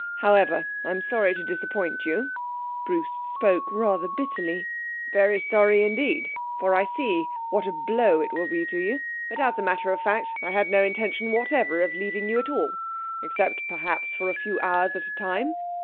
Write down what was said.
However, I'm sorry to disappoint you' Bruce spoke rather bitterly 'very sorry indeed, for I see what a blow it will be to you. But, as a matter of fact, I had not intention whatever of leaving you at all, except, perhaps, for a few hours at a time.